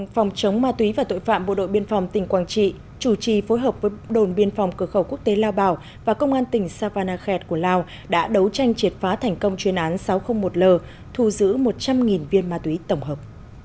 phòng chống ma túy và tội phạm bộ đội biên phòng tỉnh quảng trị chủ trì phối hợp với đồn biên phòng cửa khẩu quốc tế lao bảo và công an tỉnh savanakhet của lào đã đấu tranh triệt phá thành công chuyên án sáu trăm linh một l thu giữ một trăm linh viên ma túy tổng hợp